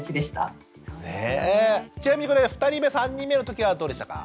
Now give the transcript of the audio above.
ちなみにこれ２人目３人目の時はどうでしたか？